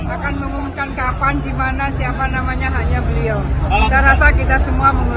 akan mengungkankan kapan gimana siapa namanya hanya beliau